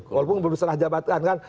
walaupun belum disalah jabatkan kan